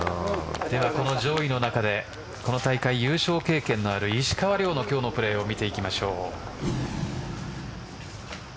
では、この上位の中でこの大会、優勝経験のある石川遼の今日のプレーを見ていきましょう。